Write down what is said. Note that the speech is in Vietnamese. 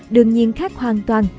đương nhiên khác hoàn toàn